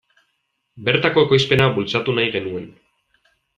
Bertako ekoizpena bultzatu nahi genuen.